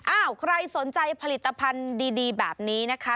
ใครสนใจผลิตภัณฑ์ดีแบบนี้นะคะ